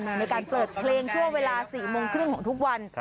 ในการเปิดเพลงช่วงเวลา๔โมงครึ่งของทุกวัน